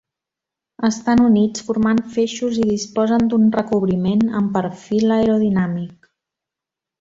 Estan units formant feixos i disposen d'un recobriment amb perfil aerodinàmic.